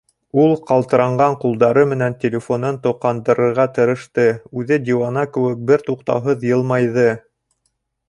Ул ҡалтыранған ҡулдары менән телефонын тоҡандырырға тырышты, үҙе диуана кеүек бер туҡтауһыҙ йылмайҙы.